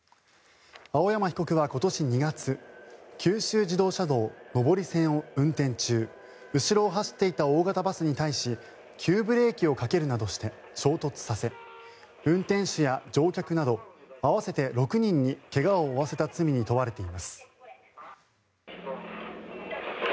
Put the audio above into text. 青山被告は今年２月九州自動車道上り線を運転中後ろを走っていた大型バスに対し急ブレーキをかけるなどして衝突させ運転手や乗客など合わせて６人に怪我を負わせた罪に問われています。